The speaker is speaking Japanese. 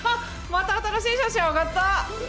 また新しい写真上がった！